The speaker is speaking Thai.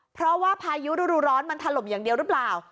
เพราะว่าพายุฤดูร้อนมันถล่มอย่างเดียวหรือเปล่า